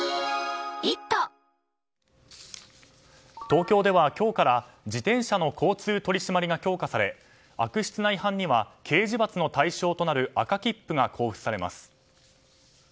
東京では今日から自転車の交通取り締まりが強化され悪質な違反には刑事罰の対象となる赤切符が交付されます。